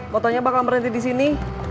motonya bakal berhenti disini